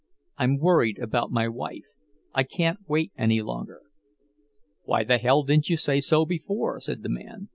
"I'm worried about my wife—I can't wait any longer." "Why the hell didn't you say so before?" said the man.